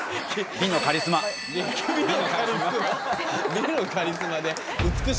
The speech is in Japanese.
美のカリスマで。